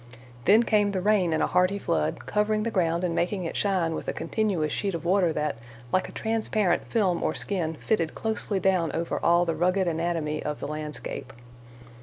Then came the rain in a hearty flood, covering the ground and making it shine with a continuous sheet of water that, like a transparent film or skin, fitted closely down over all the rugged anatomy of the landscape.